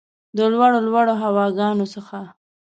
د لوړو ، لوړو هواګانو څخه